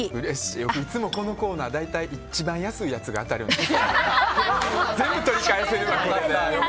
いつもこのコーナーで一番安いやつに当たるんですよ。